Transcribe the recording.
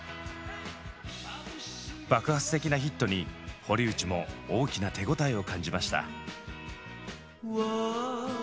爆発的なヒットに堀内も大きな手応えを感じました。